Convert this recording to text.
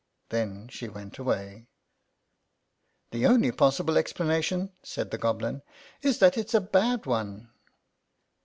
Then she went away. "The only possible explanation," said the Goblin, " is that it's a bad one."